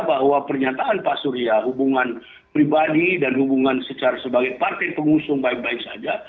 bahwa pernyataan pak surya hubungan pribadi dan hubungan secara sebagai partai pengusung baik baik saja